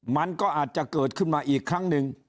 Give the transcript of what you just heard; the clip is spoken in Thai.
มันก็อาจจะเกิดขึ้นมาอีกครั้งหนึ่ง